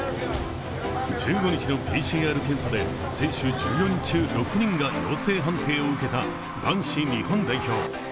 １５日のＰＣＲ検査で選手１４人中６人が陽性判定を受けた男子日本代表。